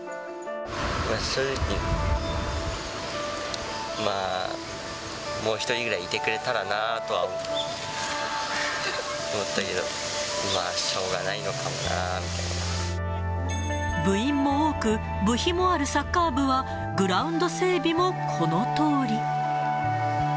正直、まあもう１人ぐらいいてくれたらなとは思ったけど、部員も多く、部費もあるサッカー部は、グラウンド整備もこのとおり。